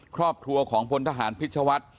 ครอบครัวของพลทหารพิชวัฒน์